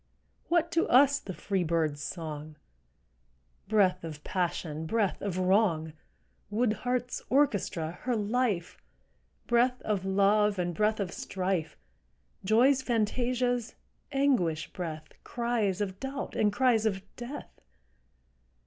What to us the free bird's song, Breath of passion, breath of wrong, Wood heart's orchestra, her life, Breath of love and breath of strife, Joy's fantasias, anguish breath, Cries of doubt and cries of death?